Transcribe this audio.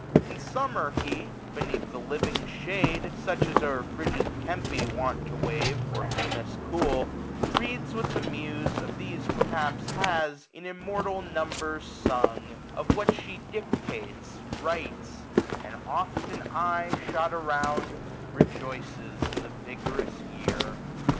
In Summer he, beneath the living shade^ Such as o'er frigid Tempe wont to wave, 13 15 Or Hemus cobl, reads what the Muse, of these Perhaps, has in immortal numbers sung; Or what she dictates, writes : and, oft an eye Shot round, rejoices in the vigorous year.